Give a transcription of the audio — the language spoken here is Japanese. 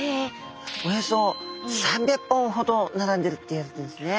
およそ３００本ほど並んでるっていわれてるんですね。